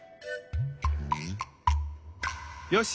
よし！